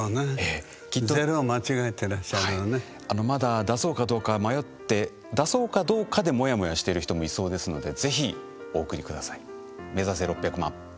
あのまだ出そうかどうか迷って出そうかどうかでモヤモヤしている人もいそうですのでぜひお送りください。